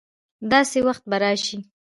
داسي وخت به راشي